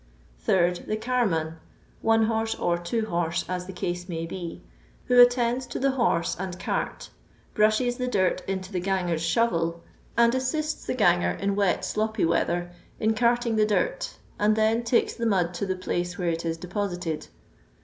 8rd. The carman (one horse or two horse, as the case may be), who attends to the horse and eart, brushes the dirt into the ganger's shovel, and assists the ganger in wet sloppy weather in cart ing the dirt, and then takes the mud to the place where it is deposited.